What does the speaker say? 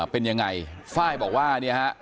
เป็นยังไงไฟล์บอกว่าเนี่ยฮะ